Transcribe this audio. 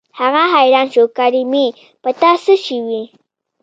هغه حيران شو کریمې په تا څه شوي.